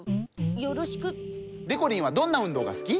でこりんはどんなうんどうがすき？